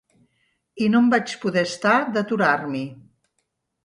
I no em vaig poder estar d'aturar-m'hi.